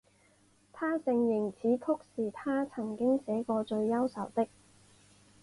她承认此曲是她曾经写过最忧愁的。